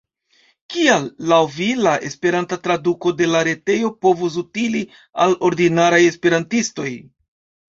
Kial laŭ vi la esperanta traduko de la retejo povos utili al ordinaraj esperantistoj?